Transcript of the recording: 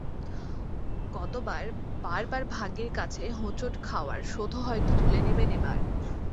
গতবার বারবার ভাগ্যের কাছে হোঁচট খাওয়ার শোধও হয়তো তুলে নেবেন এবার।